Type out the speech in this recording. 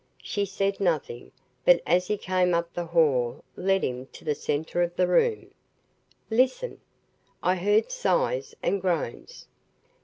She said nothing, but as he came up the hall led him to the center of the room. "Listen! I heard sighs and groans!"